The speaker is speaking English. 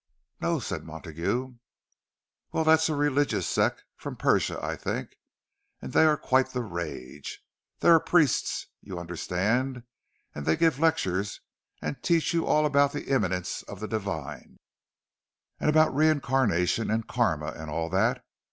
"No," said Montague. "Well, that's a religious sect—from Persia, I think—and they are quite the rage. They are priests, you understand, and they give lectures, and teach you all about the immanence of the divine, and about reincarnation, and Karma, and all that.